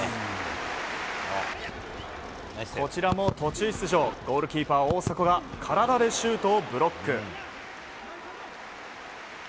こちらも途中出場ゴールキーパーが体でシュートをブロック。